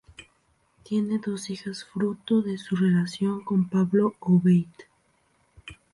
Tiene dos hijas fruto de su relación con Pablo Obeid.